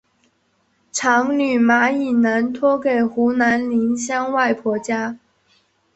长女马以南托给湖南宁乡外婆家。